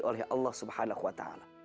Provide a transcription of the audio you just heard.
oleh allah swt